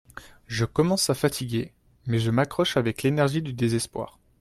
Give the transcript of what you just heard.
Je commence à fatiguer mais je m'accroche avec l'énergie du désespoir